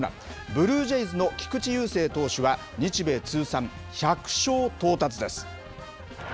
ブルージェイズの菊池雄星投手は、日米通算１００勝到達です。